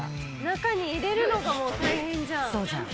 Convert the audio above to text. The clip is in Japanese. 中に入れるのがもう大変じゃん。